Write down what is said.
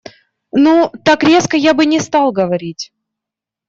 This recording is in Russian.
Ну, так резко я бы не стал говорить.